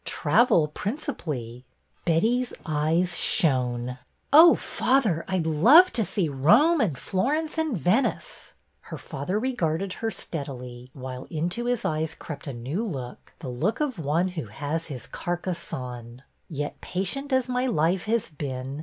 "" Travel, principally." Betty's eyes shone. '' Oh, father, I 'd love to see Rome and Flor ence and Venice! " Her father regarded her steadily, while into his eyes crept a new look, the look of one who has his Carcassonne. "Yet patient as my life has been.